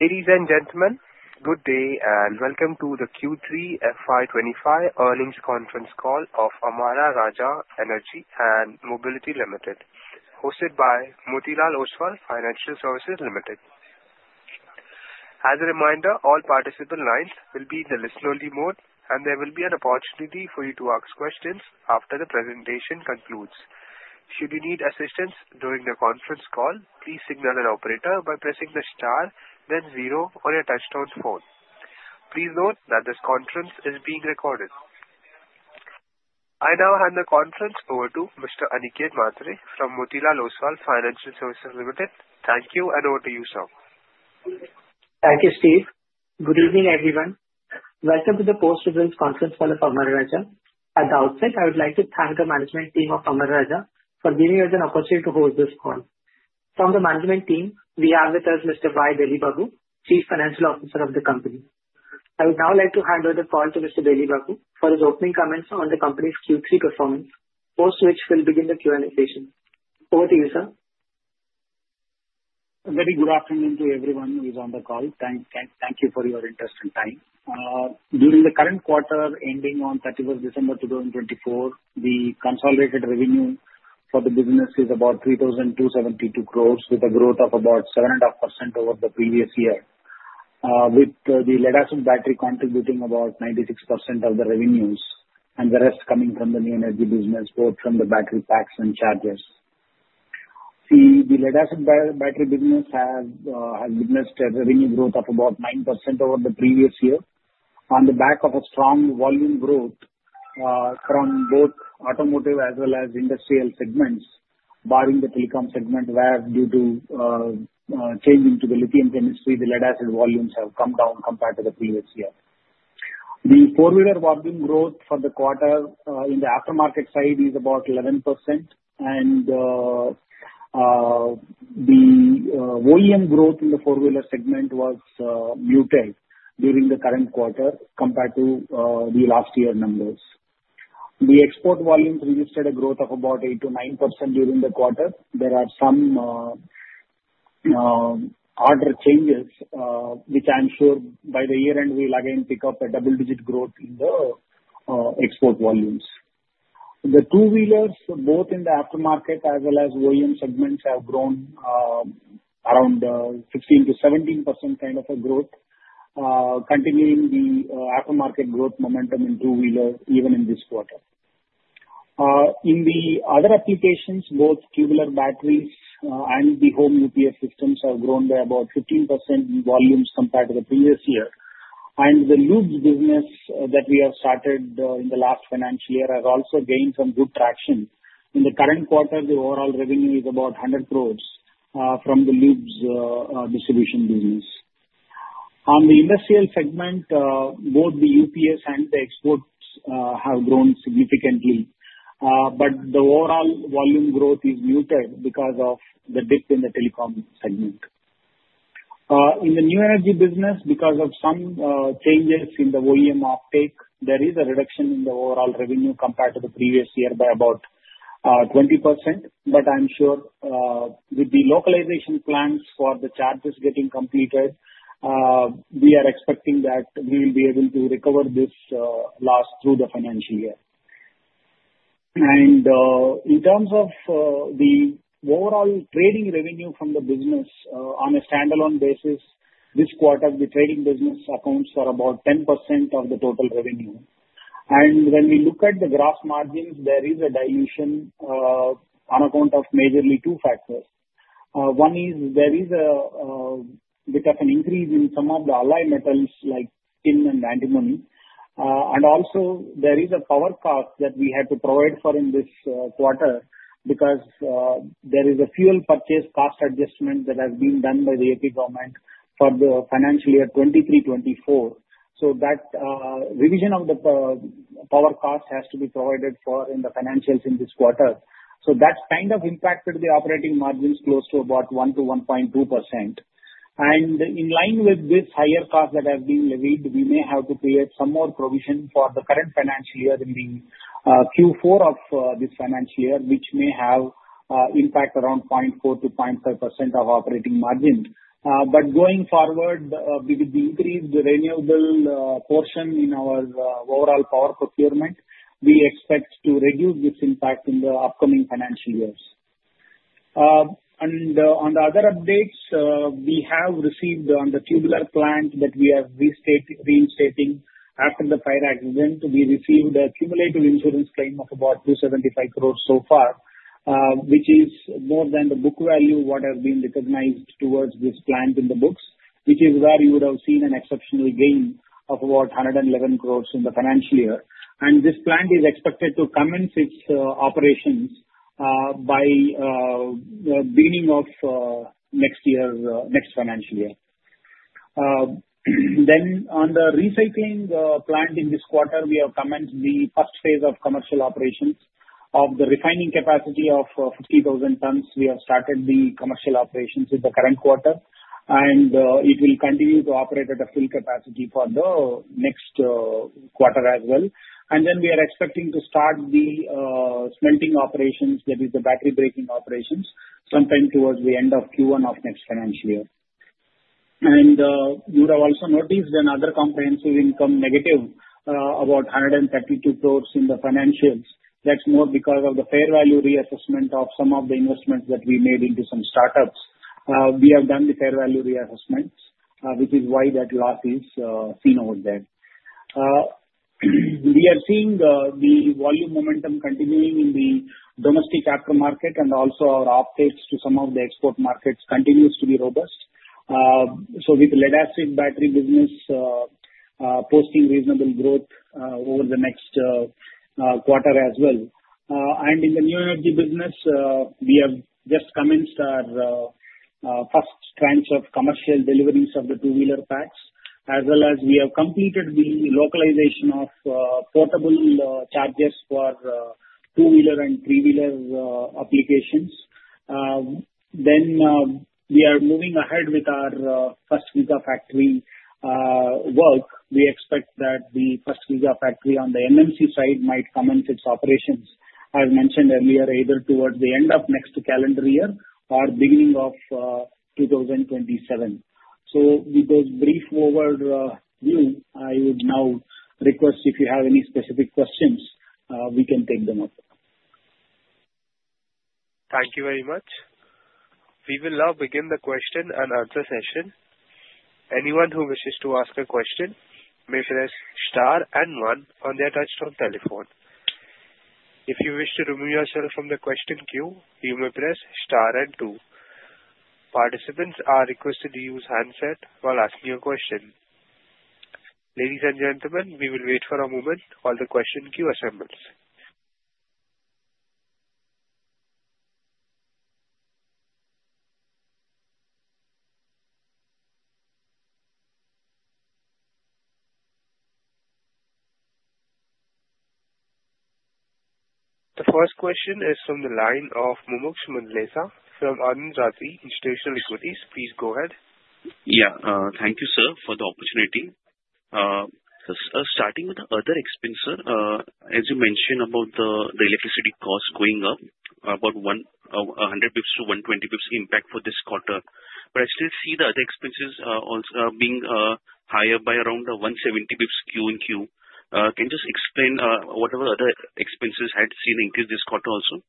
Ladies and gentlemen, good day and welcome to the Q3 FY 2025 Earnings Conference Call of Amara Raja Energy & Mobility Limited, hosted by Motilal Oswal Financial Services Limited. As a reminder, all participant lines will be in the listen-only mode, and there will be an opportunity for you to ask questions after the presentation concludes. Should you need assistance during the conference call, please signal an operator by pressing the star, then zero, or a touch-tone phone. Please note that this conference is being recorded. I now hand the conference over to Mr. Aniket Mhatre from Motilal Oswal Financial Services Limited. Thank you, and over to you, sir. Thank you, Steve. Good evening, everyone. Welcome to the post-earnings conference call of Amara Raja. At the outset, I would like to thank the management team of Amara Raja for giving us an opportunity to host this call. From the management team, we have with us Mr. Y. Delli Babu, Chief Financial Officer of the company. I would now like to hand over the call to Mr. Delli Babu for his opening comments on the company's Q3 performance, after which we'll begin the Q&A session. Over to you, sir. A very good afternoon to everyone who is on the call. Thank you for your interest and time. During the current quarter ending on 31st December 2024, the consolidated revenue for the business is about 3,272 crores, with a growth of about 7.5% over the previous year, with the lead-acid battery contributing about 96% of the revenues and the rest coming from the new energy business, both from the battery packs and chargers. See, the lead-acid battery business has witnessed a revenue growth of about 9% over the previous year on the back of a strong volume growth from both automotive as well as industrial segments, barring the telecom segment, where due to changing to the lithium chemistry, the lead-acid volumes have come down compared to the previous year. The four-wheeler volume growth for the quarter in the aftermarket side is about 11%, and the OEM growth in the four-wheeler segment was muted during the current quarter compared to the last year's numbers. The export volumes registered a growth of about 8%-9% during the quarter. There are some headwinds, which I'm sure by the year-end we'll again pick up a double-digit growth in the export volumes. The two-wheelers, both in the aftermarket as well as OEM segments, have grown around 15%-17% kind of a growth, continuing the aftermarket growth momentum in two-wheelers even in this quarter. In the other applications, both tubular batteries and the home UPS systems have grown by about 15% in volumes compared to the previous year, and the lubes business that we have started in the last financial year has also gained some good traction. In the current quarter, the overall revenue is about 100 crores from the lubes distribution business. On the industrial segment, both the UPS and the exports have grown significantly, but the overall volume growth is muted because of the dip in the telecom segment. In the new energy business, because of some changes in the OEM uptake, there is a reduction in the overall revenue compared to the previous year by about 20%, but I'm sure with the localization plans for the chargers getting completed, we are expecting that we will be able to recover this loss through the financial year. In terms of the overall trading revenue from the business, on a standalone basis, this quarter, the trading business accounts for about 10% of the total revenue. When we look at the gross margins, there is a dilution on account of majorly two factors. One is, there is a bit of an increase in some of the alloy metals like tin and antimony, and also there is a power cost that we had to provide for in this quarter because there is a fuel purchase cost adjustment that has been done by the AP government for the financial year 2023-2024, so that revision of the power cost has to be provided for in the financials in this quarter, so that's kind of impacted the operating margins close to about 1%-1.2%, and in line with this higher cost that has been levied, we may have to create some more provision for the current financial year in the Q4 of this financial year, which may have impact around 0.4%-0.5% of operating margin. Going forward, with the increased renewable portion in our overall power procurement, we expect to reduce this impact in the upcoming financial years. On the other updates, we have received on the tubular plant that we are reinstating after the fire accident. We received a cumulative insurance claim of about 275 crores so far, which is more than the book value what has been recognized towards this plant in the books, which is where you would have seen an exceptional gain of about 111 crores in the financial year. This plant is expected to commence its operations by the beginning of next financial year. On the recycling plant in this quarter, we have commenced the first phase of commercial operations of the refining capacity of 50,000 tons. We have started the commercial operations in the current quarter, and it will continue to operate at a full capacity for the next quarter as well. And then we are expecting to start the smelting operations, that is, the battery breaking operations, sometime towards the end of Q1 of next financial year. And you have also noticed another comprehensive income negative, about 132 crores in the financials. That's more because of the fair value reassessment of some of the investments that we made into some startups. We have done the fair value reassessment, which is why that loss is seen over there. We are seeing the volume momentum continuing in the domestic aftermarket, and also our uptake to some of the export markets continues to be robust. So with the lead-acid battery business posting reasonable growth over the next quarter as well. In the new energy business, we have just commenced our first tranche of commercial deliveries of the two-wheeler packs, as well as we have completed the localization of portable chargers for two-wheeler and three-wheeler applications. We are moving ahead with our first Gigafactory work. We expect that the first Gigafactory on the NMC side might commence its operations, as mentioned earlier, either towards the end of next calendar year or beginning of 2027. With those brief overview, I would now request if you have any specific questions, we can take them up. Thank you very much. We will now begin the question and answer session. Anyone who wishes to ask a question may press star and one on their touch-tone telephone. If you wish to remove yourself from the question queue, you may press star and two. Participants are requested to use handset while asking your question. Ladies and gentlemen, we will wait for a moment while the question queue assembles. The first question is from the line of Mumuksh Mandlesha from Anand Rathi Institutional Equities. Please go ahead. Yeah, thank you, sir, for the opportunity. Starting with the other expenses, as you mentioned about the electricity cost going up, about 100 bps-120 bps impact for this quarter. But I still see the other expenses also being higher by around 170 bps Q-on-Q. Can you just explain what other expenses had seen increase this quarter also?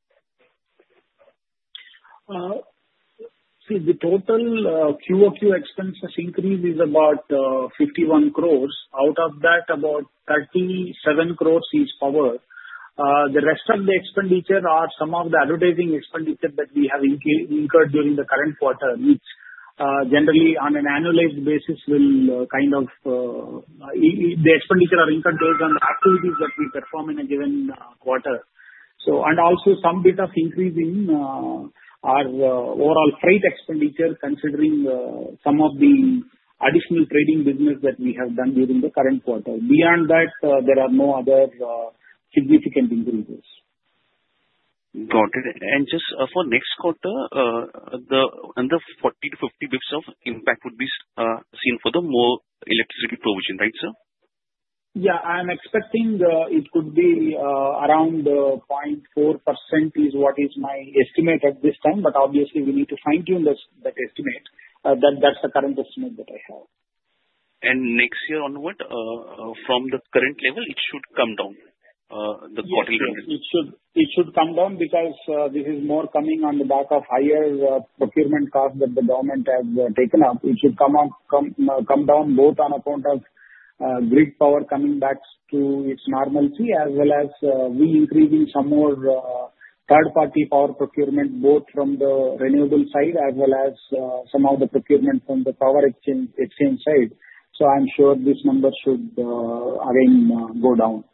See, the total QoQ expenses increase is about 51 crores. Out of that, about 37 crores is power. The rest of the expenditure are some of the advertising expenditure that we have incurred during the current quarter, which generally on an annualized basis will kind of the expenditure are incurred based on the activities that we perform in a given quarter. And also some bit of increase in our overall freight expenditure, considering some of the additional trading business that we have done during the current quarter. Beyond that, there are no other significant increases. Got it. And just for next quarter, another 40 to 50 bps of impact would be seen for the more electricity provision, right, sir? Yeah, I'm expecting it could be around 0.4% is what is my estimate at this time, but obviously we need to fine-tune that estimate. That's the current estimate that I have. Next year onward, from the current level, it should come down, the quarterly revenue. It should come down because this is more coming on the back of higher procurement costs that the government has taken up. It should come down both on account of grid power coming back to its normalcy as well as we increasing some more third-party power procurement, both from the renewable side as well as some of the procurement from the power exchange side. So I'm sure this number should again go down.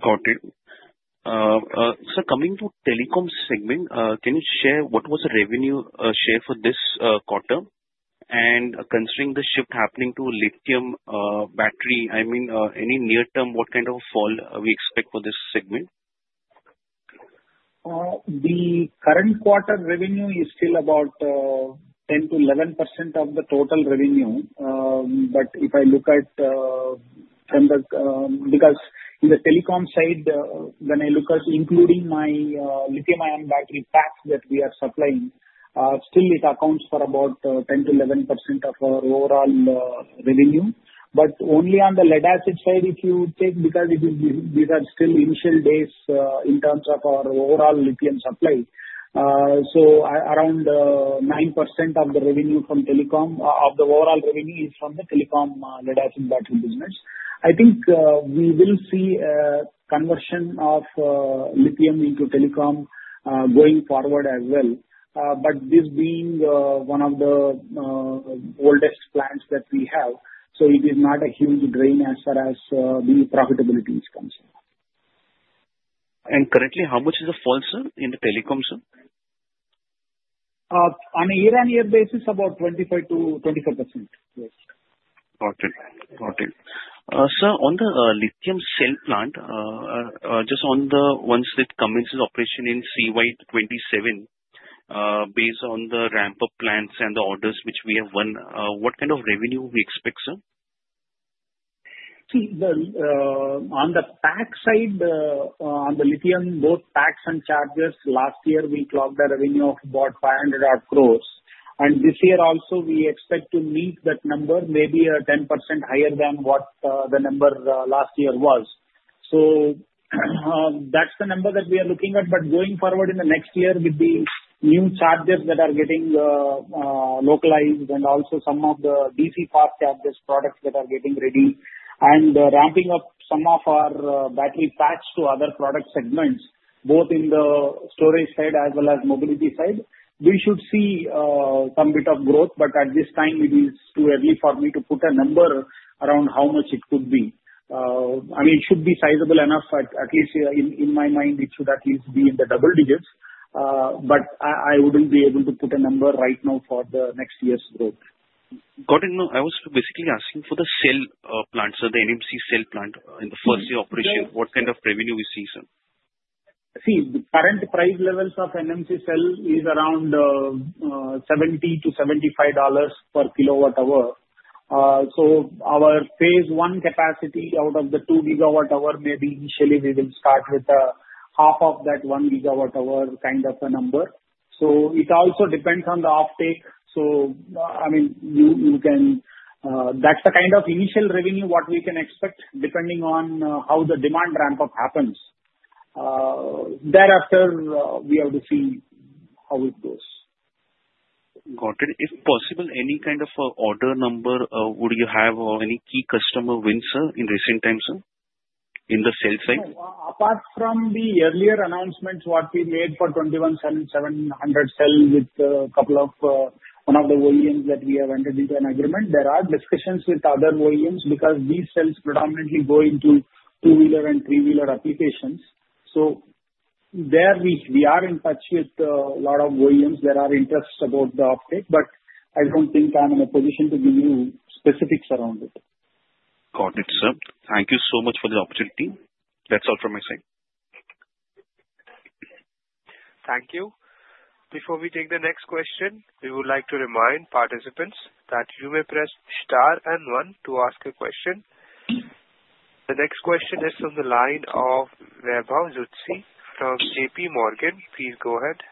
Got it. Sir, coming to telecom segment, can you share what was the revenue share for this quarter? And considering the shift happening to lithium battery, I mean, any near-term, what kind of fall we expect for this segment? The current quarter revenue is still about 10%-11% of the total revenue. But if I look at from the because in the telecom side, when I look at including my lithium-ion battery packs that we are supplying, still it accounts for about 10%-11% of our overall revenue. But only on the lead-acid side, if you take because these are still initial days in terms of our overall lithium supply. So around 9% of the revenue from telecom of the overall revenue is from the telecom lead-acid battery business. I think we will see a conversion of lithium into telecom going forward as well. But this being one of the oldest plants that we have, so it is not a huge drain as far as the profitability is concerned. Currently, how much is the fall, sir, in the telecom, sir? On a year-on-year basis, about 25%-24%. Got it. Got it. Sir, on the lithium cell plant, just on the once it commences operation in CY 2027, based on the ramp-up plans and the orders which we have won, what kind of revenue we expect, sir? See, on the pack side, on the lithium, both packs and chargers, last year we clocked a revenue of about 500-odd crores. And this year also, we expect to meet that number, maybe 10% higher than what the number last year was. So that's the number that we are looking at. But going forward in the next year with the new chargers that are getting localized and also some of the DC fast chargers products that are getting ready and ramping up some of our battery packs to other product segments, both in the storage side as well as mobility side, we should see some bit of growth. But at this time, it is too early for me to put a number around how much it could be. I mean, it should be sizable enough, but at least in my mind, it should at least be in the double digits. But I wouldn't be able to put a number right now for the next year's growth. Got it. No, I was basically asking for the cell plant, sir, the NMC cell plant in the first year operation, what kind of revenue we see, sir? See, the current price levels of NMC cell is around $70-$75 per kWh. So our phase I capacity out of the 2 GWh, maybe initially we will start with half of that 1 GWh kind of a number. So it also depends on the offtake. So I mean, you can. That's the kind of initial revenue what we can expect depending on how the demand ramp-up happens. Thereafter, we have to see how it goes. Got it. If possible, any kind of order number would you have, or any key customer win, sir, in recent times, sir, in the cell side? Apart from the earlier announcements, what we made for 21,700 cells with a couple of one of the OEMs that we have entered into an agreement, there are discussions with other OEMs because these cells predominantly go into two-wheeler and three-wheeler applications, so there we are in touch with a lot of OEMs that are interested about the uptake, but I don't think I'm in a position to give you specifics around it. Got it, sir. Thank you so much for the opportunity. That's all from my side. Thank you. Before we take the next question, we would like to remind participants that you may press star and one to ask a question. The next question is from the line of Vibhav Zutshi from JPMorgan. Please go ahead.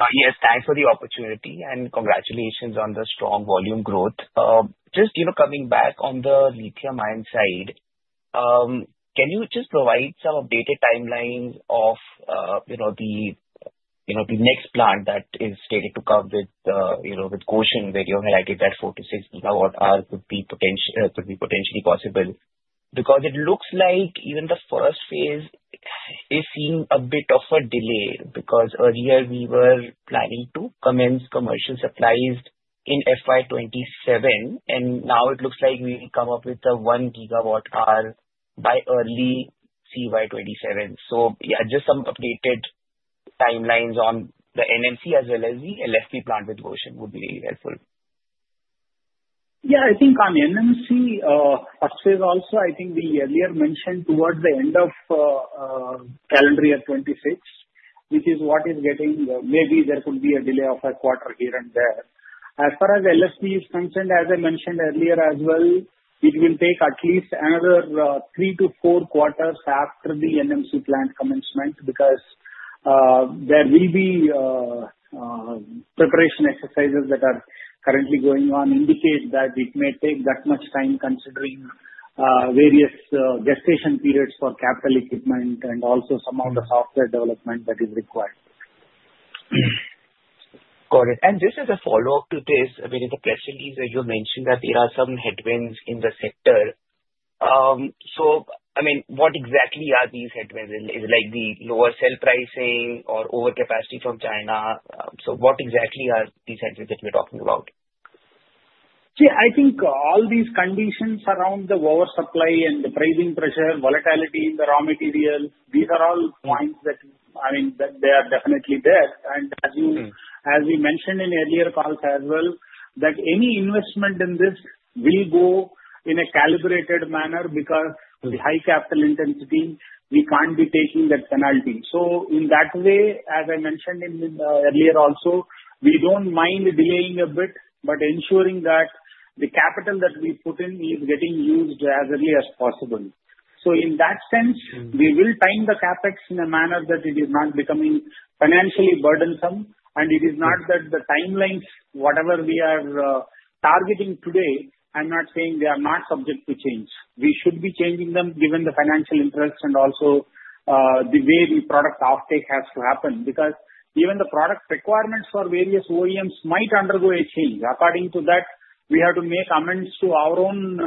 Yes, thanks for the opportunity and congratulations on the strong volume growth. Just coming back on the lithium-ion side, can you just provide some updated timelines of the next plant that is stated to come with Gotion, where you have highlighted that 4-6 GWh could be potentially possible? Because it looks like even the first phase is seeing a bit of a delay because earlier we were planning to commence commercial supplies in FY 2027, and now it looks like we come up with the 1 GWh by early CY 2027. So yeah, just some updated timelines on the NMC as well as the LFP plant with Gotion would be helpful. Yeah, I think on NMC, first phase also, I think we earlier mentioned towards the end of calendar year 2026, which is what is getting maybe there could be a delay of a quarter here and there. As far as LFP is concerned, as I mentioned earlier as well, it will take at least another three to four quarters after the NMC plant commencement because there will be preparation exercises that are currently going on, indicate that it may take that much time considering various gestation periods for capital equipment and also some of the software development that is required. Got it. And just as a follow-up to this, I mean, the question is that you mentioned that there are some headwinds in the sector. So I mean, what exactly are these headwinds? Is it like the lower cell pricing or overcapacity from China? So what exactly are these headwinds that we're talking about? See, I think all these conditions around the over-supply and the pricing pressure, volatility in the raw material, these are all points that I mean, they are definitely there. And as we mentioned in earlier calls as well, that any investment in this will go in a calibrated manner because with high capital intensity, we can't be taking that penalty. So in that way, as I mentioned earlier also, we don't mind delaying a bit, but ensuring that the capital that we put in is getting used as early as possible. So in that sense, we will time the CapEx in a manner that it is not becoming financially burdensome. And it is not that the timelines, whatever we are targeting today, I'm not saying they are not subject to change. We should be changing them given the financial interest and also the way the product offtake has to happen. Because even the product requirements for various OEMs might undergo a change. According to that, we have to make amends to our own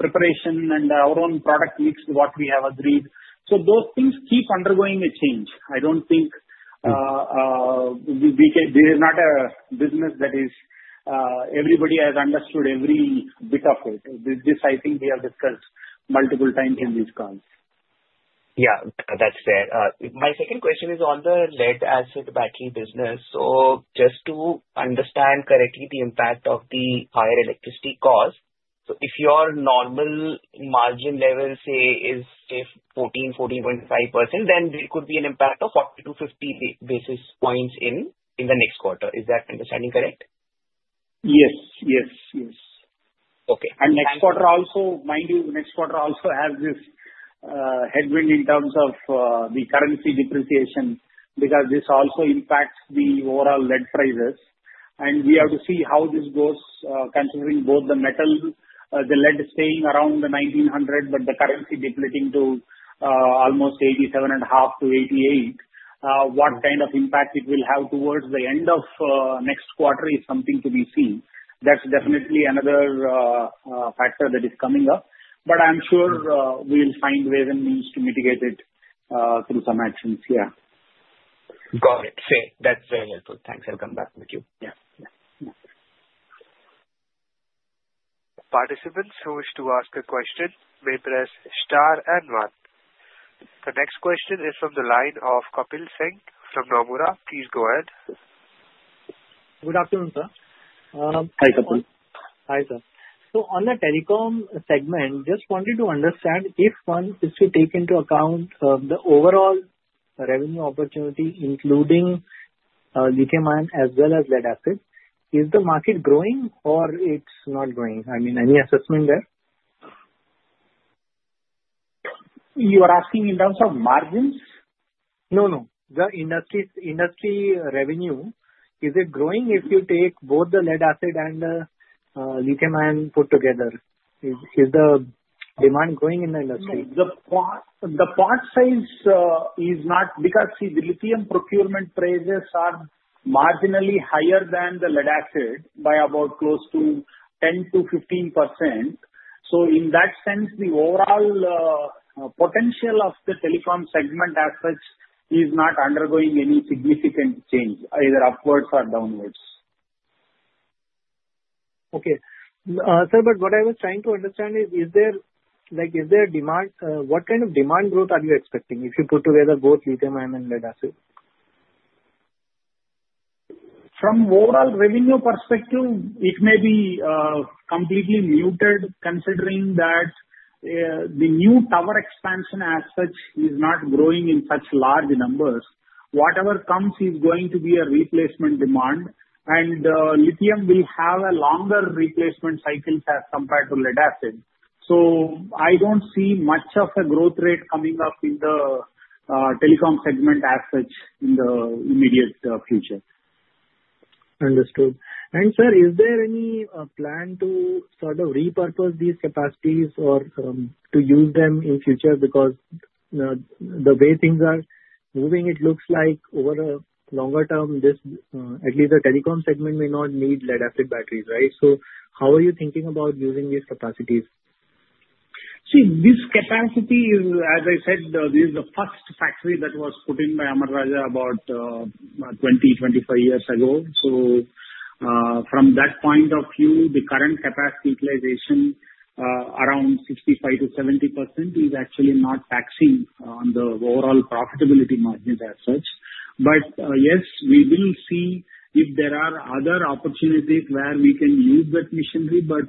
preparation and our own product mix to what we have agreed. So those things keep undergoing a change. I don't think there is not a business that everybody has understood every bit of it. This, I think we have discussed multiple times in these calls. Yeah, that's fair. My second question is on the lead-acid battery business. So just to understand correctly the impact of the higher electricity cost, so if your normal margin level, say, is, say, 14%, 14.5%, then there could be an impact of 40-50 basis points in the next quarter. Is that understanding correct? Yes. Yes. Yes. Okay. Next quarter also, mind you, next quarter also has this headwind in terms of the currency depreciation because this also impacts the overall lead prices. We have to see how this goes considering both the metal, the lead staying around the 1,900, but the currency depleting to almost 87.5-88. What kind of impact it will have towards the end of next quarter is something to be seen. That's definitely another factor that is coming up. I'm sure we'll find ways and means to mitigate it through some actions. Yeah. Got it. Thanks. That's very helpful. Thanks. I'll come back with you. Participants who wish to ask a question may press star and one. The next question is from the line of Kapil Singh from Nomura. Please go ahead. Good afternoon, sir. Hi, Kapil. Hi, sir. So on the telecom segment, just wanted to understand if one is to take into account the overall revenue opportunity, including lithium-ion as well as lead-acid, is the market growing or it's not growing? I mean, any assessment there? You are asking in terms of margins? No, no. The industry revenue is it growing if you take both the lead-acid and the lithium-ion put together? Is the demand growing in the industry? The part size is not because, see, the lithium procurement prices are marginally higher than the lead-acid by about close to 10%-15%. So in that sense, the overall potential of the telecom segment as such is not undergoing any significant change, either upwards or downwards. Okay. Sir, but what I was trying to understand is, is there demand? What kind of demand growth are you expecting if you put together both lithium-ion and lead-acid? From overall revenue perspective, it may be completely muted considering that the new tower expansion as such is not growing in such large numbers. Whatever comes is going to be a replacement demand. And lithium will have a longer replacement cycle as compared to lead-acid. So I don't see much of a growth rate coming up in the telecom segment as such in the immediate future. Understood. And sir, is there any plan to sort of repurpose these capacities or to use them in future? Because the way things are moving, it looks like over a longer term, at least the telecom segment may not need lead-acid batteries, right? So how are you thinking about using these capacities? See, this capacity is, as I said, this is the first factory that was put in by Amara Raja about 20, 25 years ago. So from that point of view, the current capacity utilization around 65%-70% is actually not taxing on the overall profitability margins as such. But yes, we will see if there are other opportunities where we can use that machinery. But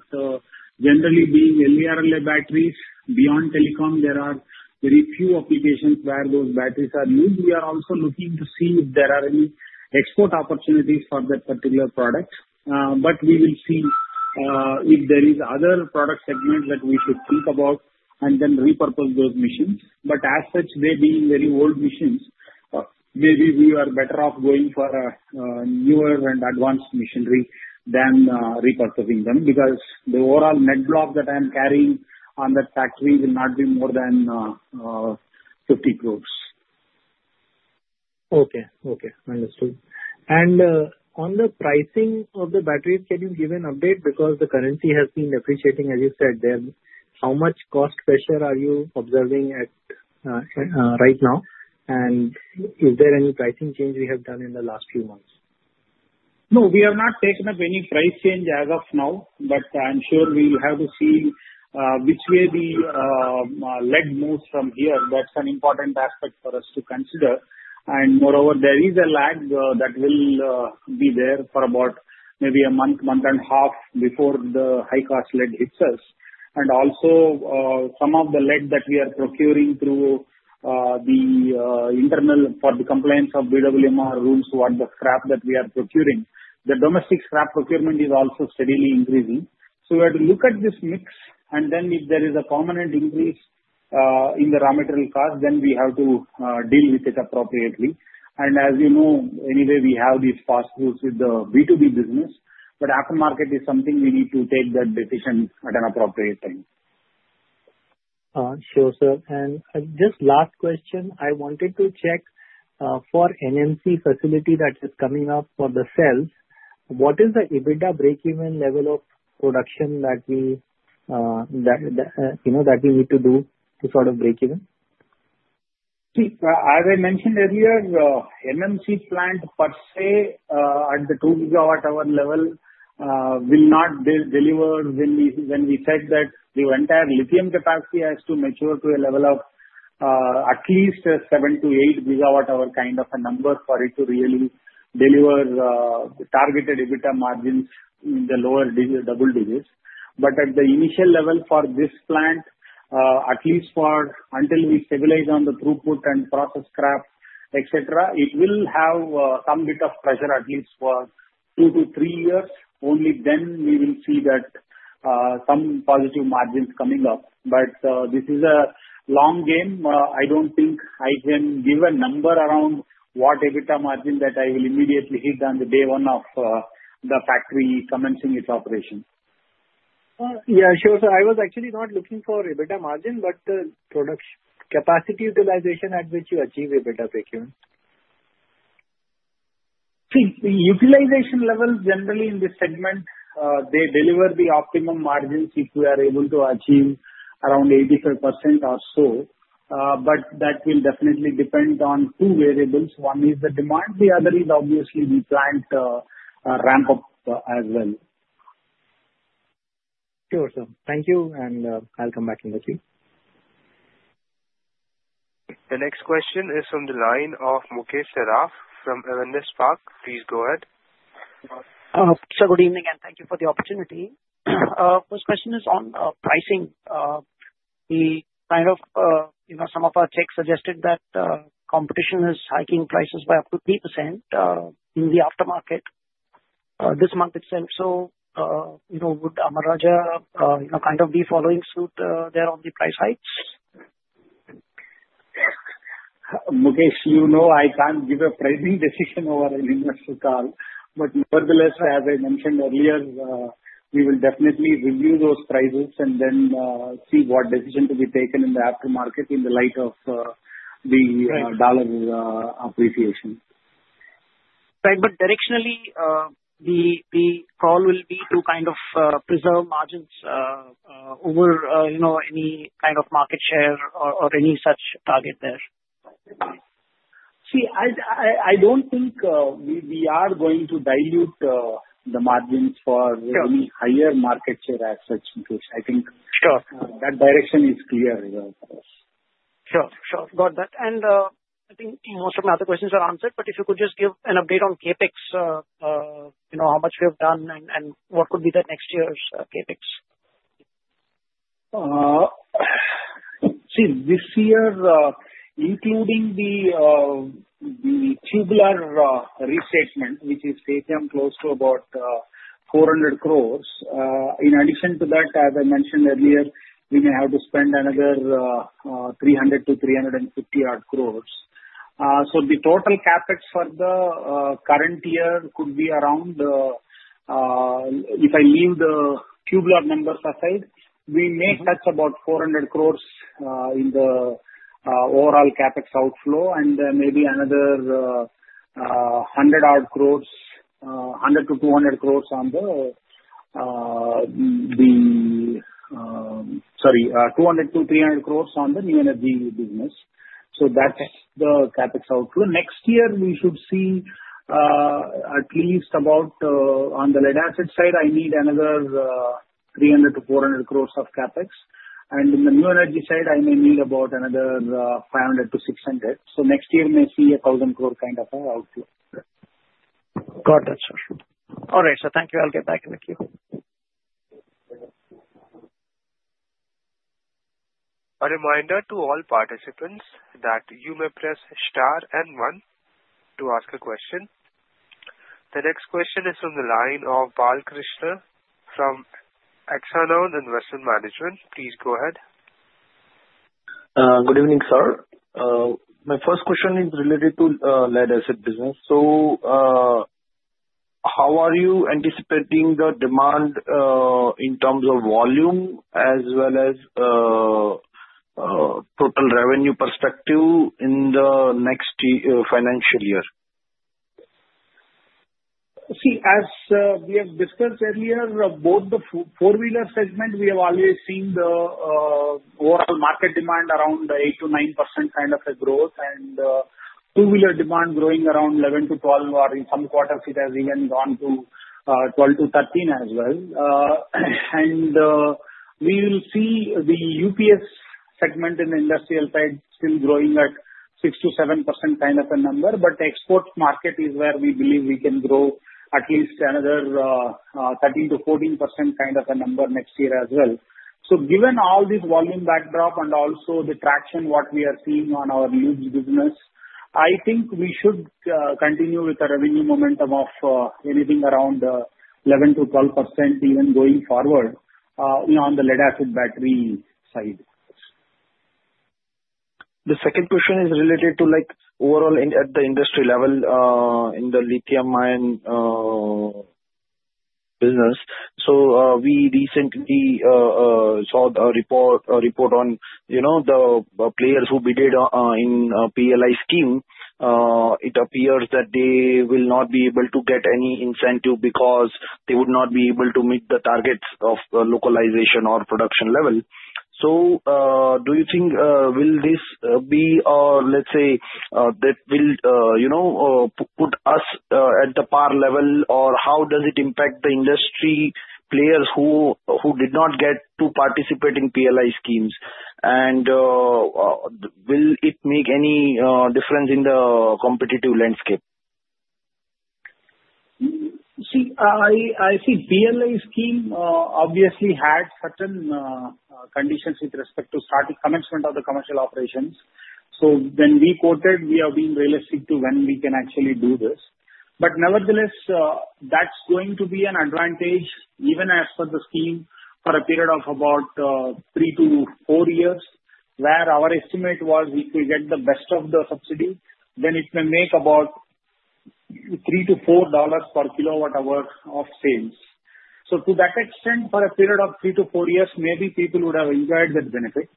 generally, being LVRLA batteries, beyond telecom, there are very few applications where those batteries are used. We are also looking to see if there are any export opportunities for that particular product. But we will see if there is other product segments that we should think about and then repurpose those machines. But as such, they being very old machines, maybe we are better off going for a newer and advanced machinery than repurposing them because the overall net block that I am carrying on that factory will not be more than 50 crores. Okay. Okay. Understood. And on the pricing of the batteries, can you give an update? Because the currency has been depreciating, as you said. How much cost pressure are you observing right now? And is there any pricing change we have done in the last few months? No, we have not taken up any price change as of now. But I'm sure we will have to see which way the lead moves from here. That's an important aspect for us to consider. And moreover, there is a lag that will be there for about maybe a month, month and a half before the high-cost lead hits us. And also, some of the lead that we are procuring through the internal for the compliance of BWMR rules, what the scrap that we are procuring, the domestic scrap procurement is also steadily increasing. So we have to look at this mix. And then if there is a permanent increase in the raw material cost, then we have to deal with it appropriately. And as you know, anyway, we have these pass-through rules with the B2B business. But aftermarket is something we need to take that decision at an appropriate time. Sure, sir. And just last question, I wanted to check for NMC facility that is coming up for the cells. What is the EBITDA break-even level of production that we need to do to sort of break-even? See, as I mentioned earlier, NMC plant per se at the 2 GWh level will not deliver when we said that the entire lithium capacity has to mature to a level of at least 7-8 GWh kind of a number for it to really deliver targeted EBITDA margins in the lower double digits. But at the initial level for this plant, at least until we stabilize on the throughput and process scrap, etc., it will have some bit of pressure at least for two to three years. Only then we will see that some positive margins coming up. But this is a long game. I don't think I can give a number around what EBITDA margin that I will immediately hit on the day one of the factory commencing its operation. Yeah, sure. So I was actually not looking for EBITDA margin, but the production capacity utilization at which you achieve EBITDA break-even? See, utilization level generally in this segment, they deliver the optimum margins if we are able to achieve around 85% or so. But that will definitely depend on two variables. One is the demand. The other is obviously the plant ramp-up as well. Sure, sir. Thank you. And I'll come back in a few. The next question is from the line of Mukesh Saraf from Avendus Spark. Please go ahead. Sir, good evening and thank you for the opportunity. First question is on pricing. Kind of some of our techs suggested that competition is hiking prices by up to 3% in the aftermarket this month itself. So would Amara Raja kind of be following suit there on the price hikes? Mukesh, you know I can't give a pricing decision over an investor call. But nevertheless, as I mentioned earlier, we will definitely review those prices and then see what decision to be taken in the aftermarket in the light of the dollar appreciation. Right. But directionally, the call will be to kind of preserve margins over any kind of market share or any such target there. See, I don't think we are going to dilute the margins for any higher market share as such, Mukesh. I think that direction is clear for us. Sure. Sure. Got that. And I think most of my other questions are answered. But if you could just give an update on CapEx, how much we have done and what could be the next year's CapEx? See, this year, including the tubular restatement, which is taking close to about 400 crores. In addition to that, as I mentioned earlier, we may have to spend another 300-350 odd crores. So the total CapEx for the current year could be around, if I leave the tubular numbers aside, we may touch about 400 crores in the overall CapEx outflow and maybe another 100 odd crores, 100-200 crores on the, sorry, 200-300 crores on the new energy business. So that's the CapEx outflow. Next year, we should see at least about on the lead-acid side, I need another 300-400 crores of CapEx. And in the new energy side, I may need about another 500-600 crores. So next year, may see a 1,000 crore kind of an outflow. Got it, sir. All right. So thank you. I'll get back with you. A reminder to all participants that you may press star and one to ask a question. The next question is from the line of Balkrishan from ExxonMobil Investment Management. Please go ahead. Good evening, sir. My first question is related to lead-acid business. How are you anticipating the demand in terms of volume as well as total revenue perspective in the next financial year? See, as we have discussed earlier, both the four-wheeler segment, we have always seen the overall market demand around 8%-9% kind of a growth and two-wheeler demand growing around 11%-12%, or in some quarters, it has even gone to 12%-13% as well. And we will see the UPS segment in the industrial side still growing at 6%-7% kind of a number. But export market is where we believe we can grow at least another 13%-14% kind of a number next year as well. So given all this volume backdrop and also the traction what we are seeing on our lubes business, I think we should continue with a revenue momentum of anything around 11%-12% even going forward on the lead-acid battery side. The second question is related to overall at the industry level in the lithium-ion business. So we recently saw a report on the players who bid in PLI scheme. It appears that they will not be able to get any incentive because they would not be able to meet the targets of localization or production level. So do you think will this be, or let's say, that will put us at the par level, or how does it impact the industry players who did not get to participate in PLI schemes, and will it make any difference in the competitive landscape? See, I think PLI scheme obviously had certain conditions with respect to starting commencement of the commercial operations. So when we quoted, we are being realistic to when we can actually do this. But nevertheless, that's going to be an advantage even as for the scheme for a period of about three to four years where our estimate was we could get the best of the subsidy, then it may make about $3-$4 per kWh of sales. So to that extent, for a period of three to four years, maybe people would have enjoyed that benefit.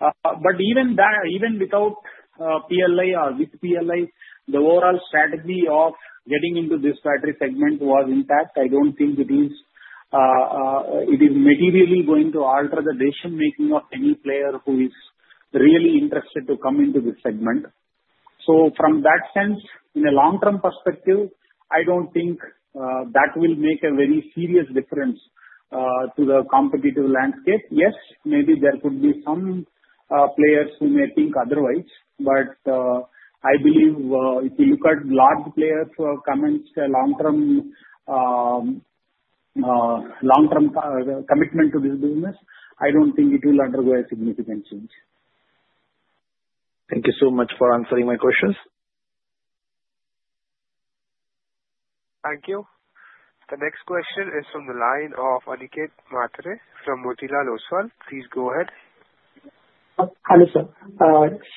But even without PLI or with PLI, the overall strategy of getting into this battery segment was intact. I don't think it is materially going to alter the decision-making of any player who is really interested to come into this segment. So from that sense, in a long-term perspective, I don't think that will make a very serious difference to the competitive landscape. Yes, maybe there could be some players who may think otherwise. But I believe if you look at large players who have commenced a long-term commitment to this business, I don't think it will undergo a significant change. Thank you so much for answering my questions. Thank you. The next question is from the line of Aniket Mhatre from Motilal Oswal. Please go ahead. Hello, sir.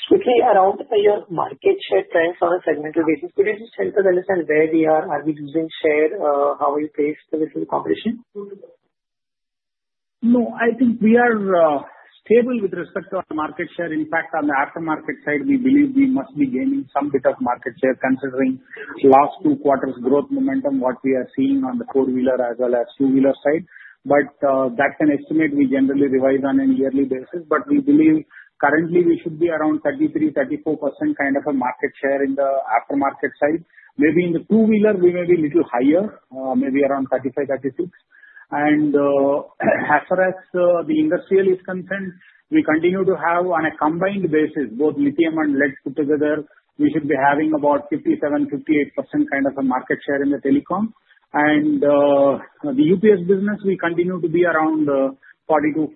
Switching around your market share trends on a segmental basis, could you just tell us where we are? Are we losing share? How are you placed within the competition? No, I think we are stable with respect to our market share. In fact, on the aftermarket side, we believe we must be gaining some bit of market share considering last two quarters growth momentum what we are seeing on the four-wheeler as well as two-wheeler side. But that kind of estimate we generally revise on a yearly basis. But we believe currently we should be around 33%, 34% kind of a market share in the aftermarket side. Maybe in the two-wheeler, we may be a little higher, maybe around 35%, 36%. And as far as the industrial is concerned, we continue to have on a combined basis, both lithium and lead put together, we should be having about 57%, 58% kind of a market share in the telecom. And the UPS business, we continue to be around 42%, 43%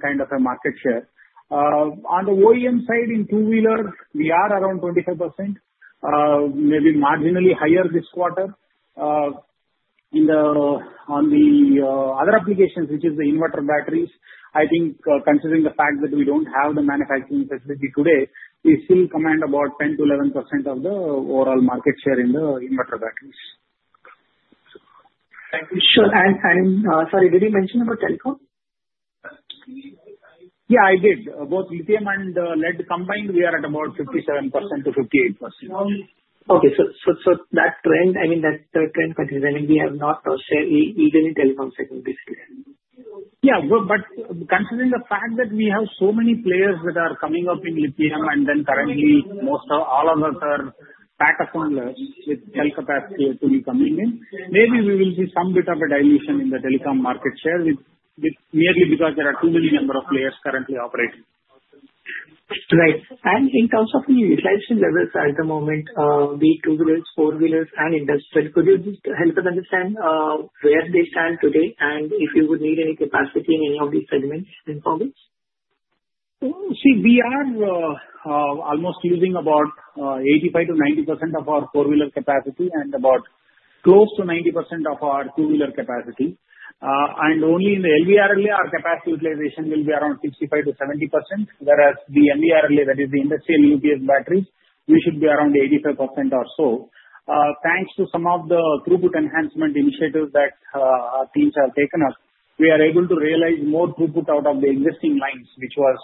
kind of a market share. On the OEM side in two-wheeler, we are around 25%, maybe marginally higher this quarter. On the other applications, which is the inverter batteries, I think considering the fact that we don't have the manufacturing facility today, we still command about 10%-11% of the overall market share in the inverter batteries. Sure. And sorry, did you mention about telecom? Yeah, I did. Both lithium and lead combined, we are at about 57%-58%. Okay. So that trend, I mean, that trend continues. I mean, we have not shared even in telecom segment basically. Yeah. But considering the fact that we have so many players that are coming up in lithium and then currently most of all of us are backup on the, with cell capacity to be coming in, maybe we will see some bit of a dilution in the telecom market share merely because there are too many number of players currently operating. Right, and in terms of utilization levels at the moment, the two-wheelers, four-wheelers, and industrial, could you just help us understand where they stand today and if you would need any capacity in any of these segments in four weeks? See, we are almost using about 85%-90% of our four-wheeler capacity and about close to 90% of our two-wheeler capacity. And only in the LVRLA, our capacity utilization will be around 65%-70%, whereas the MVRLA, that is the industrial UPS batteries, we should be around 85% or so. Thanks to some of the throughput enhancement initiatives that our teams have taken up, we are able to realize more throughput out of the existing lines, which was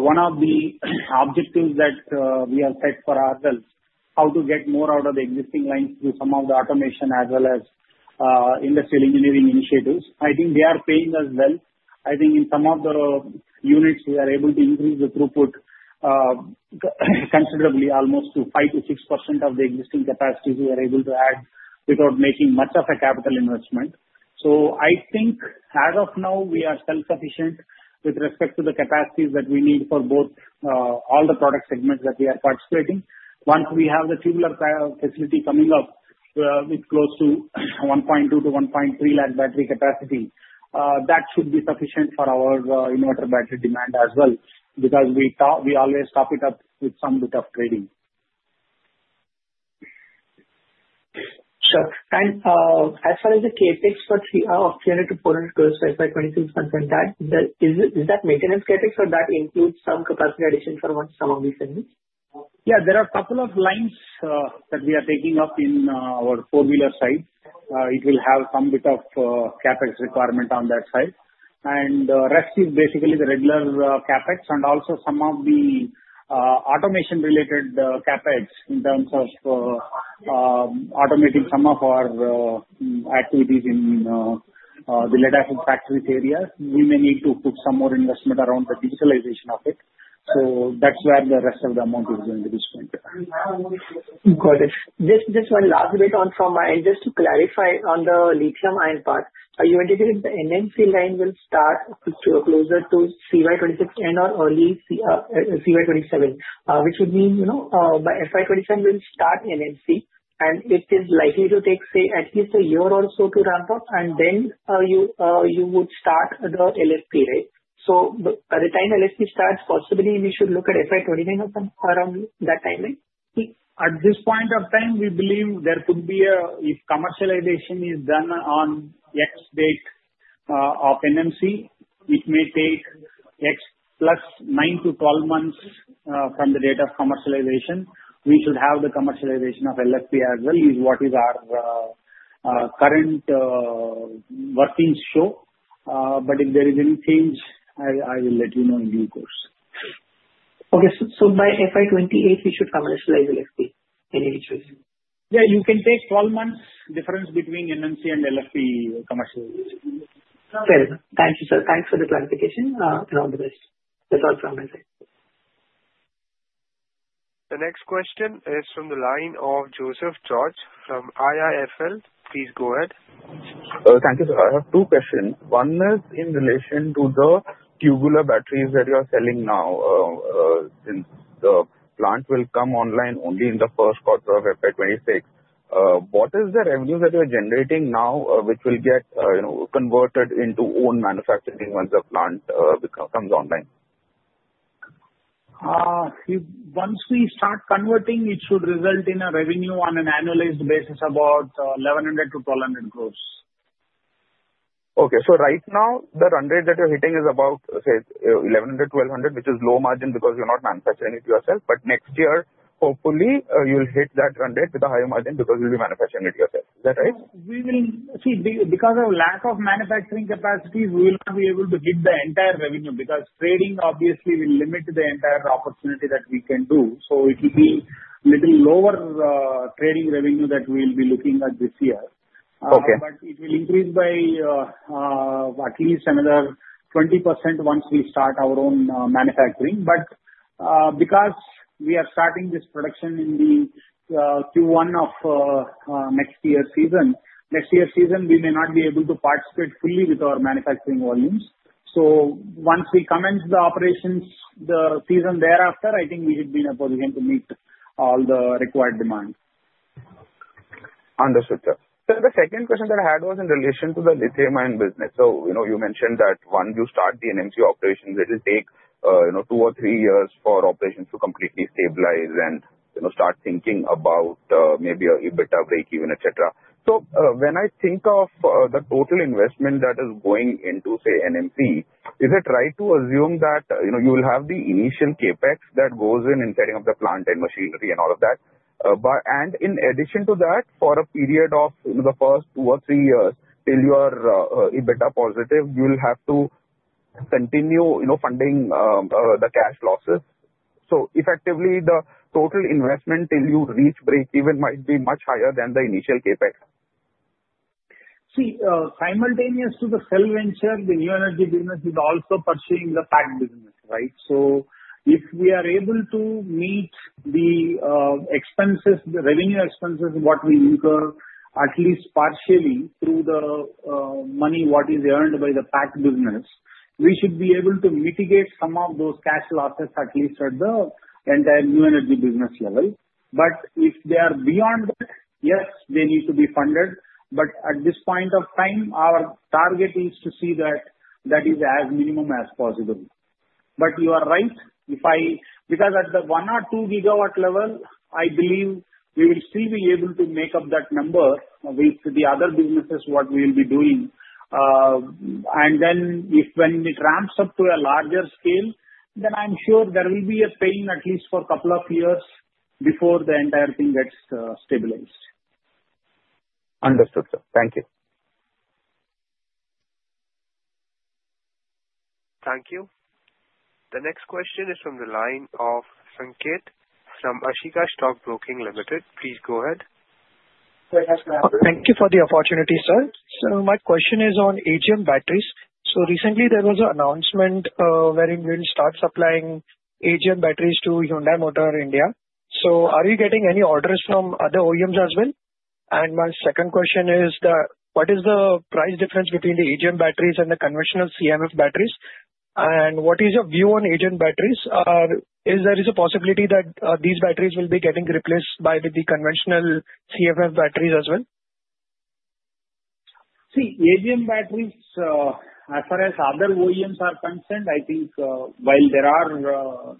one of the objectives that we have set for ourselves, how to get more out of the existing lines through some of the automation as well as industrial engineering initiatives. I think they are paying us well. I think in some of the units, we are able to increase the throughput considerably, almost to 5%-6% of the existing capacities we are able to add without making much of a capital investment. So I think as of now, we are self-sufficient with respect to the capacities that we need for both all the product segments that we are participating. Once we have the tubular facility coming up with close to 1.2-1.3 lakh battery capacity, that should be sufficient for our inverter battery demand as well because we always top it up with some bit of trading. Sure. As far as the CapEx for 300 crores-400 crores by 2026, is that maintenance CapEx or that includes some capacity addition for some of these segments? Yeah. There are a couple of lines that we are taking up in our four-wheeler side. It will have some bit of CapEx requirement on that side. And the rest is basically the regular CapEx and also some of the automation-related CapEx in terms of automating some of our activities in the lead-acid factories area. We may need to put some more investment around the digitalization of it. So that's where the rest of the amount is going to be spent. Got it. Just one last bit from my end just to clarify on the lithium-ion part. You indicated the NMC line will start closer to CY 2026 or early CY 2027, which would mean by FY 2027, we'll start NMC. And it is likely to take, say, at least a year or so to ramp up, and then you would start the LFP, right? So by the time LFP starts, possibly we should look at FY 2029 or something around that timeline? At this point of time, we believe there could be, if commercialization is done on X date of NMC, it may take X plus 9-12 months from the date of commercialization. We should have the commercialization of LFP as well, that is what our current working assumption is, but if there is any change, I will let you know in due course. Okay, so by FY 2028, we should commercialize LFP anyway choice. Yeah. You can take 12 months difference between NMC and LFP commercialization. Fair enough. Thank you, sir. Thanks for the clarification. And all the best. That's all from my side. The next question is from the line of Joseph George from IIFL. Please go ahead. Thank you, sir. I have two questions. One is in relation to the tubular batteries that you are selling now. The plant will come online only in the first quarter of FY 2026. What is the revenue that you are generating now which will get converted into own manufacturing once the plant comes online? Once we start converting, it should result in a revenue on an annualized basis about 1,100 crores-1,200 crores. Okay. So right now, the run rate that you're hitting is about, say, 1,100 crores, 1,200 crores, which is low margin because you're not manufacturing it yourself. But next year, hopefully, you'll hit that run rate with a higher margin because you'll be manufacturing it yourself. Is that right? See, because of lack of manufacturing capacity, we will not be able to give the entire revenue because trading obviously will limit the entire opportunity that we can do. So it will be a little lower trading revenue that we will be looking at this year. But it will increase by at least another 20% once we start our own manufacturing. But because we are starting this production in the Q1 of next year's season, we may not be able to participate fully with our manufacturing volumes. So once we commence the operations, the season thereafter, I think we should be in a position to meet all the required demand. Understood, sir. So the second question that I had was in relation to the lithium-ion business. So you mentioned that once you start the NMC operations, it will take two or three years for operations to completely stabilize and start thinking about maybe a bit of break even, etc. So when I think of the total investment that is going into, say, NMC, is it right to assume that you will have the initial CapEx that goes in in setting up the plant and machinery and all of that? And in addition to that, for a period of the first two or three years, till you are a bit positive, you will have to continue funding the cash losses. So effectively, the total investment till you reach break even might be much higher than the initial CapEx. See, simultaneous to the cell venture, the new energy business is also pursuing the pack business, right? So if we are able to meet the revenue expenses what we incur at least partially through the money what is earned by the pack business, we should be able to mitigate some of those cash losses at least at the entire new energy business level. But if they are beyond that, yes, they need to be funded. But at this point of time, our target is to see that that is as minimum as possible. But you are right. Because at the 1 or 2 GW level, I believe we will still be able to make up that number with the other businesses what we will be doing. When it ramps up to a larger scale, then I'm sure there will be a pain at least for a couple of years before the entire thing gets stabilized. Understood, sir. Thank you. Thank you. The next question is from the line of Sanket from Ashika Stock Broking Limited. Please go ahead. Thank you for the opportunity, sir. So my question is on AGM batteries. So recently, there was an announcement where it will start supplying AGM batteries to Hyundai Motor India. So are you getting any orders from other OEMs as well? And my second question is, what is the price difference between the AGM batteries and the conventional CMF batteries? And what is your view on AGM batteries? Is there a possibility that these batteries will be getting replaced by the conventional CMF batteries as well? See, AGM batteries, as far as other OEMs are concerned, I think while there are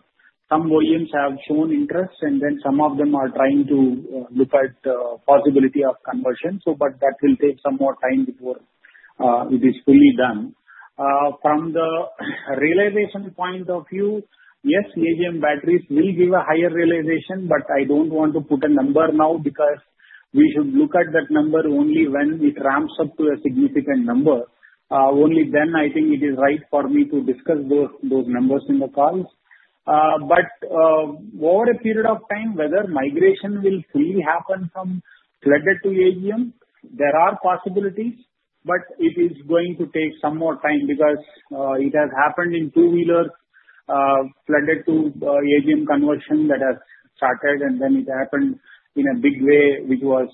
some OEMs have shown interest, and then some of them are trying to look at the possibility of conversion. But that will take some more time before it is fully done. From the realization point of view, yes, AGM batteries will give a higher realization, but I don't want to put a number now because we should look at that number only when it ramps up to a significant number. Only then I think it is right for me to discuss those numbers in the calls. But over a period of time, whether migration will fully happen from flooded to AGM, there are possibilities, but it is going to take some more time because it has happened in two-wheelers, flooded to AGM conversion that has started, and then it happened in a big way, which was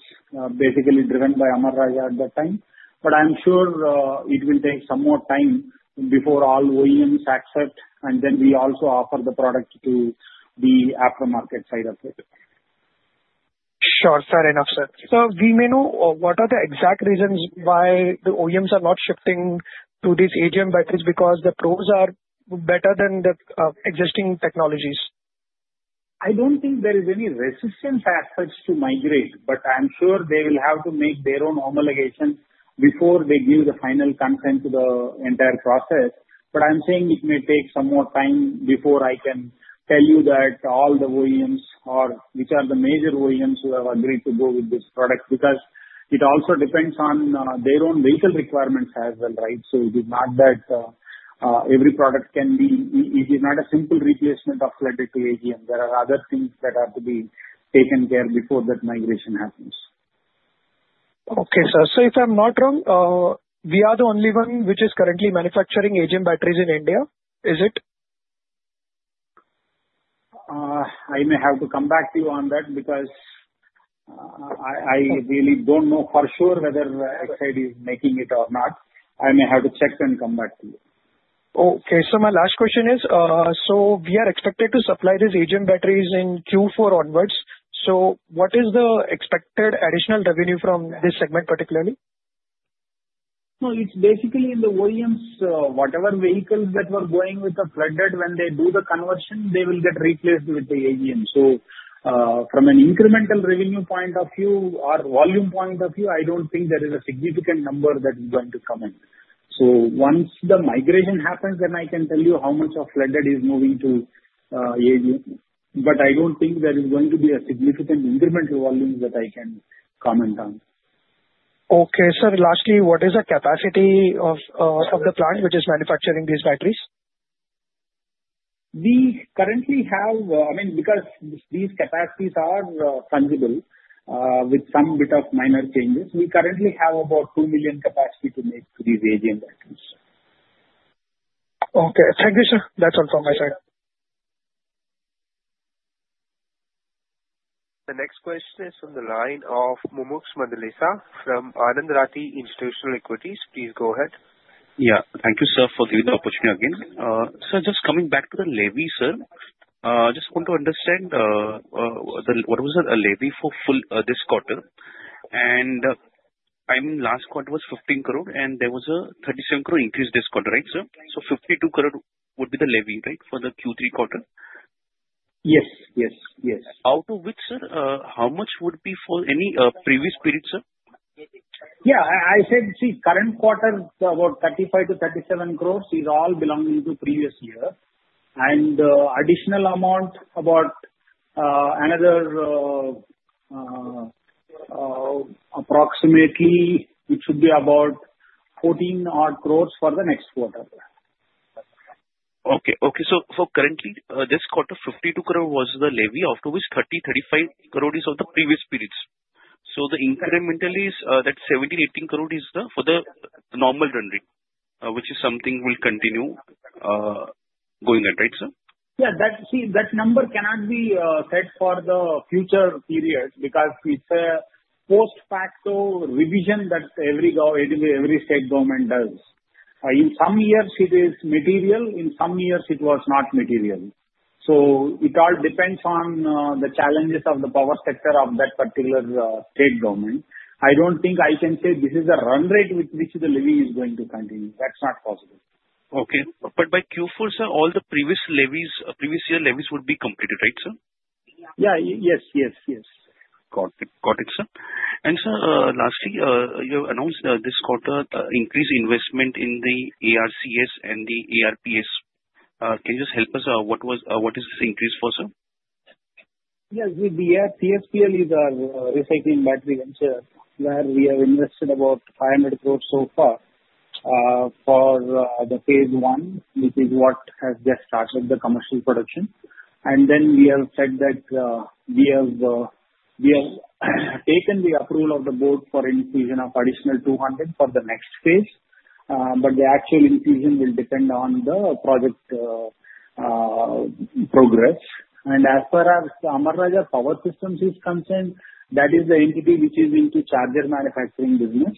basically driven by Amara Raja at that time. But I'm sure it will take some more time before all OEMs accept, and then we also offer the product to the aftermarket side of it. Sure, sir. I know, sir. So we may know what are the exact reasons why the OEMs are not shifting to these AGM batteries because the pros are better than the existing technologies? I don't think there is any resistance as such to migrate, but I'm sure they will have to make their own homologation before they give the final consent to the entire process. But I'm saying it may take some more time before I can tell you that all the OEMs, which are the major OEMs, who have agreed to go with this product because it also depends on their own vehicle requirements as well, right? So it is not that every product can be a simple replacement of flooded to AGM. There are other things that have to be taken care of before that migration happens. Okay, sir. So if I'm not wrong, we are the only one which is currently manufacturing AGM batteries in India. Is it? I may have to come back to you on that because I really don't know for sure whether XID is making it or not. I may have to check and come back to you. Okay, so my last question is, so we are expected to supply these AGM batteries in Q4 onwards, so what is the expected additional revenue from this segment particularly? No, it's basically in the OEMs, whatever vehicles that were going with the flooded, when they do the conversion, they will get replaced with the AGM. So from an incremental revenue point of view or volume point of view, I don't think there is a significant number that is going to come in. So once the migration happens, then I can tell you how much of flooded is moving to AGM. But I don't think there is going to be a significant incremental volume that I can comment on. Okay, sir. Lastly, what is the capacity of the plant which is manufacturing these batteries? We currently have, I mean, because these capacities are fungible with some bit of minor changes, we currently have about 2 million capacity to make these AGM batteries. Okay. Thank you, sir. That's all from my side. The next question is from the line of Mumuksh Mandlesha from Anand Rathi Institutional Equities. Please go ahead. Yeah. Thank you, sir, for giving the opportunity again. Sir, just coming back to the levy, sir. I just want to understand what was the levy for this quarter. And I mean, last quarter was 15 crore, and there was a 37 crore increase this quarter, right, sir? So 52 crore would be the levy, right, for the Q3 quarter? Yes. Yes. Yes. Out of which, sir, how much would be for any previous period, sir? Yeah. I said, see, current quarter, about 35 crores-37 crores is all belonging to previous year. And additional amount, about another approximately, it should be about 14 odd crores for the next quarter. Okay. So currently, this quarter, INR 52 crore was the levy, out of which INR 30 crore, INR 35 crore is of the previous periods. So the incremental is that INR 17 crore, INR 18 crore is for the normal run rate, which is something will continue going ahead, right, sir? Yeah. See, that number cannot be set for the future period because it's a post-facto revision that every state government does. In some years, it is material. In some years, it was not material. So it all depends on the challenges of the power sector of that particular state government. I don't think I can say this is the run rate with which the levy is going to continue. That's not possible. Okay. But by Q4, sir, all the previous year levies would be completed, right, sir? Yeah. Yes. Yes. Yes. Got it. Got it, sir. And sir, lastly, you announced this quarter increased investment in the ARCS and the ARPS. Can you just help us? What is this increase for, sir? Yes. The ARCSPL is our recycling battery venture where we have invested about 500 crore so far for the phase I, which is what has just started the commercial production. And then we have said that we have taken the approval of the board for inclusion of additional 200 crore for the next phase. But the actual inclusion will depend on the project progress. And as far as Amara Raja Power Systems is concerned, that is the entity which is into charger manufacturing business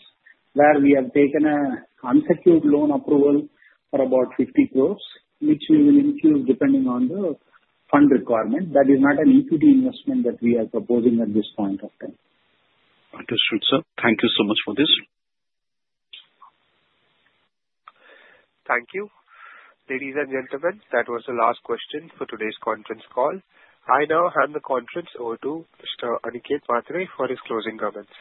where we have taken an unsecured loan approval for about 50 crore, which we will increase depending on the fund requirement. That is not an equity investment that we are proposing at this point of time. Understood, sir. Thank you so much for this. Thank you. Ladies and gentlemen, that was the last question for today's conference call. I now hand the conference over to Mr. Aniket Mhatre for his closing comments.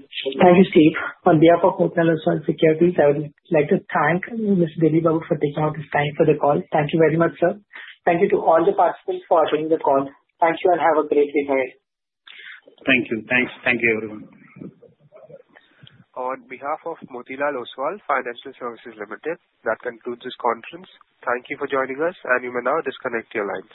Thank you, Steve. On behalf of Motilal Oswal Security Services, I would like to thank Mr. Delli Babu for taking the time for the call. Thank you very much, sir. Thank you to all the participants for attending the call. Thank you and have a great week ahead. Thank you. Thanks. Thank you, everyone. On behalf of Motilal Oswal Financial Services Limited, that concludes this conference. Thank you for joining us, and you may now disconnect your lines.